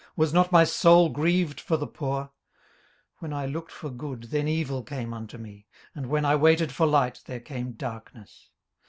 was not my soul grieved for the poor? 18:030:026 When I looked for good, then evil came unto me: and when I waited for light, there came darkness.